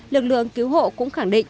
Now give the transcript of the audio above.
lực lượng cứu hộ cũng khẳng định